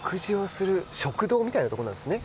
食堂みたいなところなんですね。